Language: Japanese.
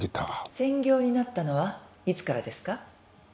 「専業になったのはいつからですか？」